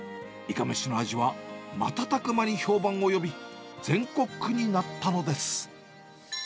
いかめしの味は、瞬く間に評判を呼び、全国区になったのです。